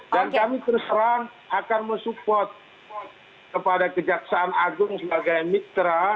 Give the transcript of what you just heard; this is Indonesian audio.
dan kami terus terang akan support kepada kejaksaan agung sebagai mitra